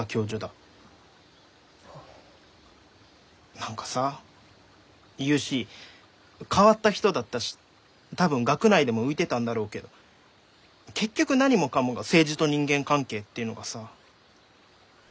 何かさユーシー変わった人だったし多分学内でも浮いてたんだろうけど結局何もかもが政治と人間関係っていうのがさ。